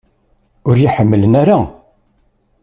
Ur iyi-ḥemmlen ara?